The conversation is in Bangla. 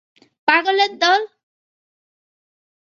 পাগলের দল!